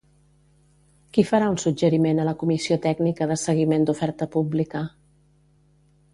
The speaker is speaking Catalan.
Qui farà un suggeriment a la Comissió Tècnica de Seguiment d'Oferta Pública?